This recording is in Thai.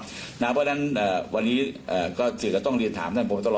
เพราะฉะนั้นวันนี้ก็สื่อก็ต้องเรียนถามท่านพบตร